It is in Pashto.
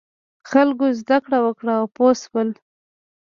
خلکو زده کړه وکړه او پوه شول.